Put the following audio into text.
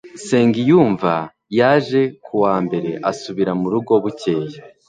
nsengiyumva yaje ku wa mbere asubira mu rugo bukeye